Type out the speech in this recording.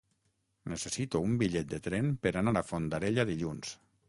Necessito un bitllet de tren per anar a Fondarella dilluns.